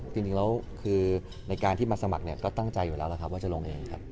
จริงแล้วคือในการที่มาสมัครเนี่ยก็ตั้งใจอยู่แล้วล่ะครับว่าจะลงเองครับ